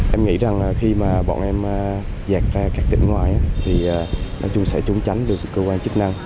em nghĩ rằng khi mà bọn em dạt ra các tỉnh ngoại thì nói chung sẽ trúng tránh được cơ quan chức năng